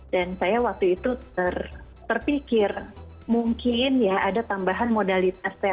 dan saya waktu itu terpikir mungkin ya ada tambahan modalitasnya